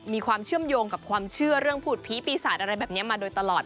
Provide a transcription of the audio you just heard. มีความเชื่อมโยงกับความเชื่อเรื่องผูดผีปีศาจอะไรแบบนี้มาโดยตลอด